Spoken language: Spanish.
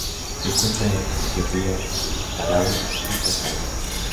Se encuentra en Etiopía, Malaui y Tanzania.